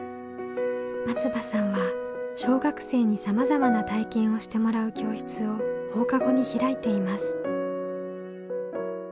松場さんは小学生にさまざまな体験をしてもらう教室を放課後に開いています。